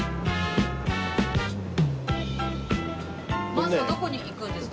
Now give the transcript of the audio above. まずはどこに行くんですか？